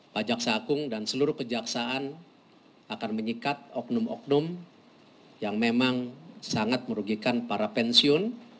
pak jaksa agung dan seluruh kejaksaan akan menyikat oknum oknum yang memang sangat merugikan para pensiun